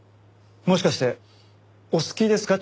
もしかしてお好きですか？